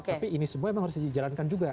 tapi ini semua memang harus dijalankan juga